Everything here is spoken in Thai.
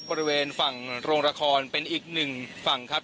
บริเวณฝั่งโรงละครเป็นอีกหนึ่งฝั่งครับ